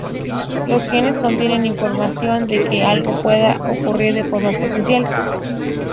Los genes contienen información de que algo pueda ocurrir de forma potencial.